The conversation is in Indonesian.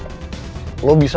terima kasih udah nonton